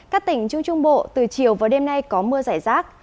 các tỉnh trung trung bộ từ chiều và đêm nay có mưa rải rác